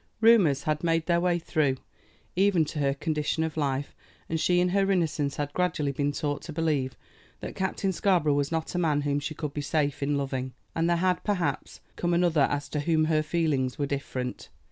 Rumors had made their way through even to her condition of life, and she in her innocence had gradually been taught to believe that Captain Scarborough was not a man whom she could be safe in loving. And there had, perhaps, come another as to whom her feelings were different.